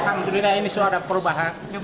alhamdulillah ini sudah ada perubahan